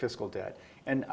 yang lebih besar